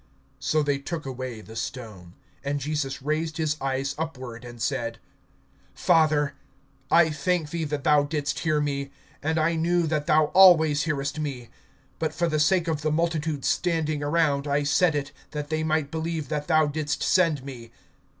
(41)So they took away the stone. And Jesus raised his eyes upward, and said: Father, I thank thee that thou didst hear me. (42)And I knew that thou always hearest me; but for the sake of the multitude standing around I said it, that they might believe that thou didst send me.